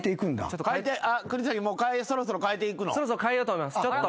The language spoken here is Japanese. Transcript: そろそろ変えようと思います。